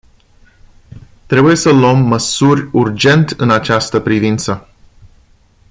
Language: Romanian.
Trebuie să luăm măsuri urgent în această privință.